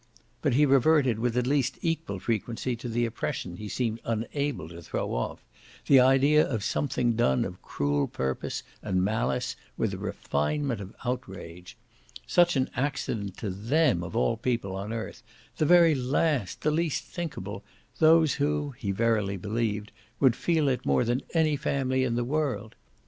But he reverted with at least equal frequency to the oppression he seemed unable to throw off, the idea of something done of cruel purpose and malice, with a refinement of outrage: such an accident to THEM, of all people on earth, the very last, the least thinkable, those who, he verily believed, would feel it more than any family in the world.